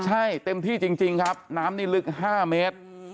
ใช่เต็มที่จริงครับน้ำนี่ลึก๕เมตร